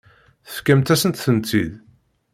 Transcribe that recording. Tefkamt-asent-tent-id.